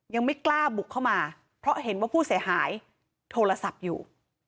ยังไม่กล้าบุกเข้ามาเพราะเห็นว่าผู้เสียหายโทรศัพท์อยู่